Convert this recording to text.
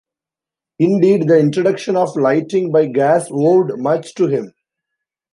Indeed, the introduction of lighting by gas owed much to him.